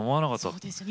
そうですよね。